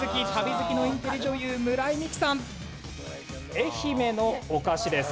愛媛のお菓子です。